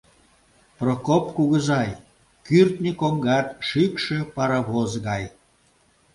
Прокоп кугызай, кӱртньӧ коҥгат шӱкшӧ паровоз гай.